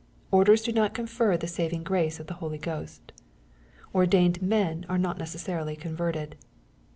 Orders do not confer the saving grace of the Holy Ghost. Ordained men are not necessarily converted.